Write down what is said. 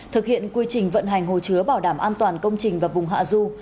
thực hiện quy trình vận hành hồ chứa bảo đảm an toàn công trình và vùng hạ du